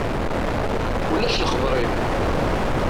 Ulac lexber-im.